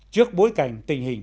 trước bối cảnh tình hình